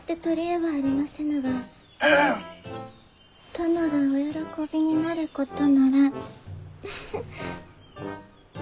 殿がお喜びになることならフフフ。